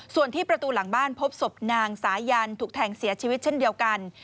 ส่วนที่ประตูหลังบ้านพบศพนางสายันถูกแทงเสียชีวิตเช่นเดียวกัน